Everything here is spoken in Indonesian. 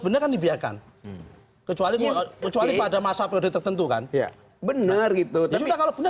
beneran dibiarkan kecuali kecuali pada masa proyek tertentu kan iya bener itu tapi kalau bener